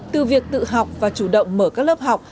từ việc tự học và chủ động mở các lớp học